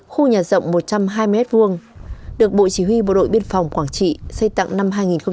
khu nhà rộng một trăm hai mươi m hai được bộ chỉ huy bộ đội biên phòng quảng trị xây tặng năm hai nghìn một mươi